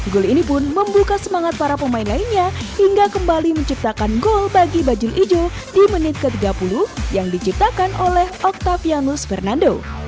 gol ini pun membuka semangat para pemain lainnya hingga kembali menciptakan gol bagi bajul ijo di menit ke tiga puluh yang diciptakan oleh octavianus fernando